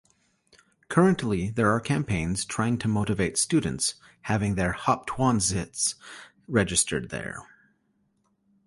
Currently there are campaigns trying to motivate students having their Hauptwohnsitz registered there.